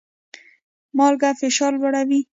مالګه فشار لوړوي